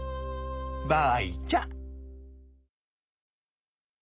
ばいちゃ。